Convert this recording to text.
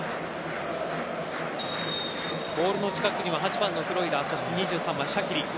ボールの近くには８番のフロイラー２３番シャキリ。